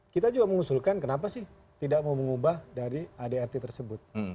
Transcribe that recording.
kita juga mengusulkan kenapa sih tidak mau mengubah dari adrt tersebut